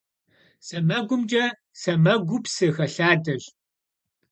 Semegumç'e — semegu psı xelhadeş.